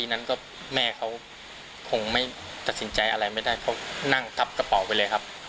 นั้นก็แม่เขาคงไม่ตัดสินใจอะไรไม่ได้เขานั่งทับกระเป๋าไปเลยครับ